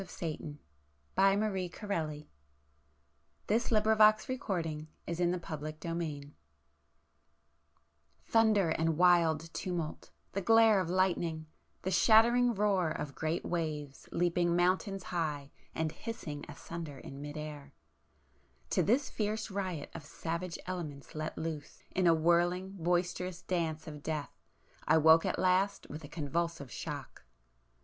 then, thick darkness veiled my sight, and I dropped down senseless! [p 457]XL Thunder and wild tumult,—the glare of lightning,—the shattering roar of great waves leaping mountains high and hissing asunder in mid air,—to this fierce riot of savage elements let loose in a whirling boisterous dance of death, I woke at last with a convulsive shock.